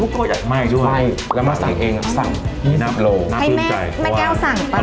ก็อยากไหม้ด้วยใช่แล้วมาสั่งเองอ่ะสั่งมีนับโลนับให้แม่แม่แก้วสั่งไป